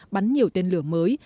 bắn nhiều tên lửa mới